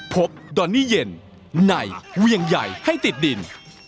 ดอนนี่เย็นในเวียงใหญ่ให้ติดดิน